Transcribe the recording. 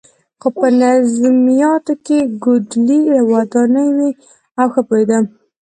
خو په نظمیاتو کې یې کوډلۍ ودانې وې او ښه پوهېده.